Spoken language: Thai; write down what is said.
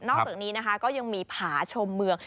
อกจากนี้นะคะก็ยังมีผาชมเมือง